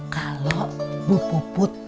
kalau bu put put